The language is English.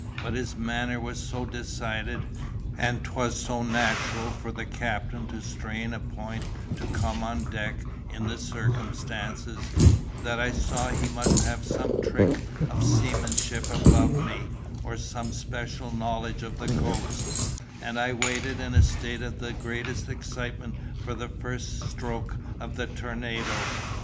But his manner was so decided, and 'twas so natural for the captain to strain a point to come on deck in the circumstances, that I saw he must have some trick of seamanship above me, or some special knowledge of the coast; and I waited in a state of the greatest excitement for the first stroke of the tornado.